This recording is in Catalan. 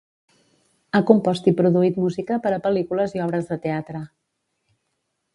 Ha composat i produït música per a pel·lícules i obres de teatre.